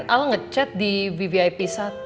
kemarin al ngechat di vvip satu